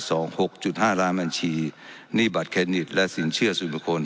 หกจุดห้าล้านบัญชีหนี้บัตรเครนิตและสินเชื่อส่วนบุคคล